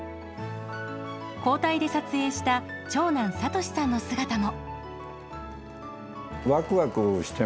交代で撮影した長男さとしさんの姿も。